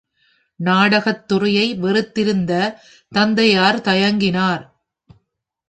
நாடகத்துறையை வெறுத்திருந்த தந்தையார் தயங்கினார்.